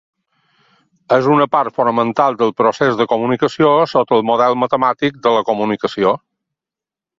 És una part fonamental del procés de comunicació sota el model matemàtic de la comunicació.